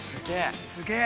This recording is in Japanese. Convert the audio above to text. ◆すげえ。